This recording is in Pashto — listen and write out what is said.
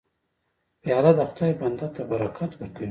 پیاله د خدای بنده ته برکت ورکوي.